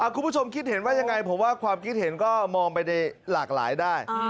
คุณผู้ชมคิดเห็นว่ายังไงผมว่าความคิดเห็นก็มองไปในหลากหลายได้